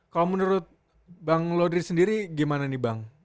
kalau menurut bang laudrey sendiri gimana nih bang